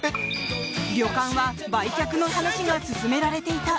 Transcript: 旅館は売却の話が進められていた。